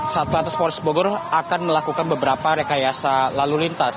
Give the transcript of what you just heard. satu lantas polres bogor akan melakukan beberapa rekayasa lalu lintas